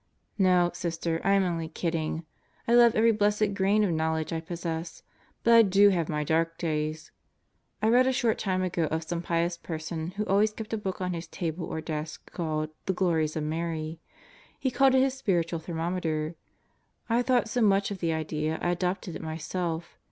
No, Sister, I am only kidding. I love every blessed grain of knowledge I possess. But I do have my dark days. I read a short time ago of some pious person who always kept a book on his table or desk called The Glories oj Mary. He called it his spiritual ther mometer. I thought so much of the idea, I adopted it myself.